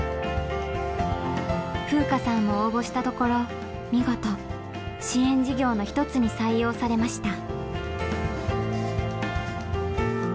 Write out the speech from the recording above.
風夏さんも応募したところ見事支援事業の１つに採用されました。